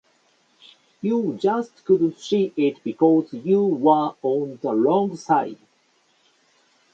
You just couldn’t see it because you were on the wrong side.